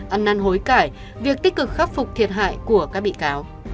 ăn năn hối cải việc tích cực khắc phục thiệt hại của các bị cáo